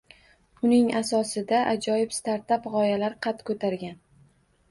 Uning asosida ajoyib startap g’oyalar qad ko’targan